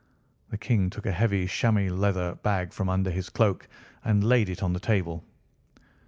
The King took a heavy chamois leather bag from under his cloak and laid it on the table.